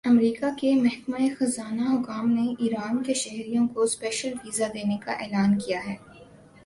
امریکا کے محکمہ خزانہ حکام نے ایران کے شہریوں کو سپیشل ویزا دینے کا اعلان کیا ہے